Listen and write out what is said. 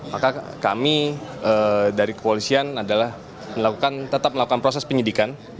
maka kami dari kepolisian adalah tetap melakukan proses penyidikan